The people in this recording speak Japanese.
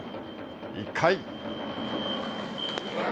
１回。